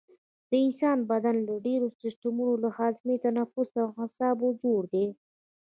د انسان بدن له ډیرو سیستمونو لکه هاضمه تنفس او اعصابو جوړ دی